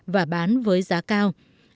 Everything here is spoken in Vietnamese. và bán với giá cao